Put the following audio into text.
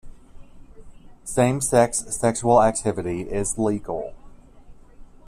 Same-sex sexual activity is legal.